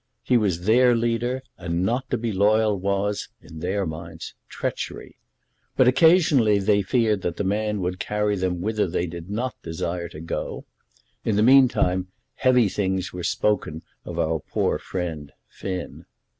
He was their leader, and not to be loyal was, in their minds, treachery. But occasionally they feared that the man would carry them whither they did not desire to go. In the meantime heavy things were spoken of our poor friend, Finn.